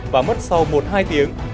và mất sau một hai tiếng